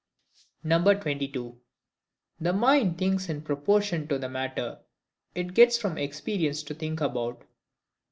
22. The mind thinks in proportion to the matter it gets from experience to think about.